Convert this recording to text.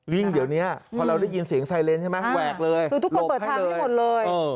วิ่งเดี๋ยวนี้พอเราได้ยินเสียงไซเรนใช่ไหมแวกเลยหลบให้เลยคือทุกคนเปิดทางให้หมดเลย